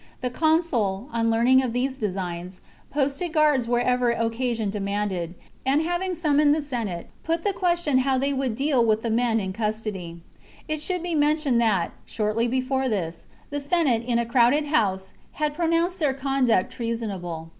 iThe consul, on learning of these designs, posted guards wherever occasion demanded^ and having summoned the Senate, put the question how they would deal with the men in custody. It should be mentioned that, shortly before this, the Senate in a crowded house had pro nounced their conduct treasonable.